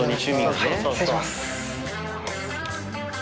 失礼します。